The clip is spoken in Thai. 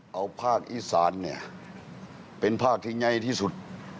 เอาภาคอีสานเนี่ยเป็นภาคที่ง่ายที่สุด